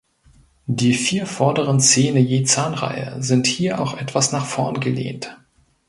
Die vier vorderen Zähne je Zahnreihe sind hier auch etwas nach vorn gelehnt.